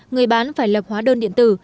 người bán phải lập hóa đơn điện tử